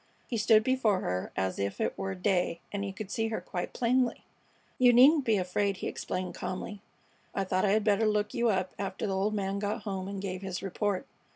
He stood before her as if it were day and he could see her quite plainly. "You needn't be afraid," he explained, calmly. "I thought I had better look you up after the old man got home and gave his report.